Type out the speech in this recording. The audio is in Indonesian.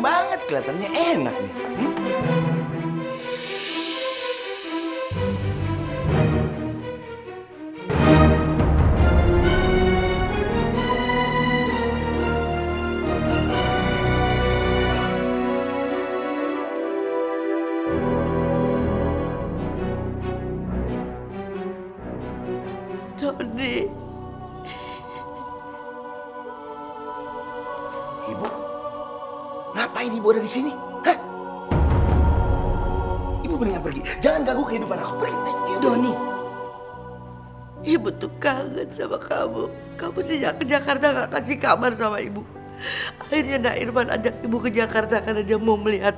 aku mongguin mama selesai cuci muka ya